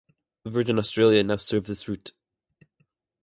Virgin Australia now serve this route.